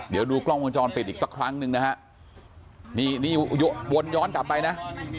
เดี๋ยวดูกล้องวงจรปิดอีกสักครั้งหนึ่งนะฮะนี่นี่วนย้อนกลับไปนะ